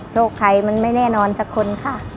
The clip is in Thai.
โชคใครมันไม่แน่นอนสักคนค่ะ